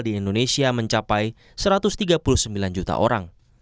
di indonesia mencapai satu ratus tiga puluh sembilan juta orang